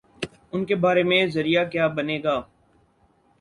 ان کے بارے میں ذریعہ کیا بنے گا؟